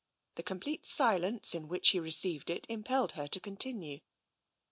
The complete silence in which he received it impelled her to continue.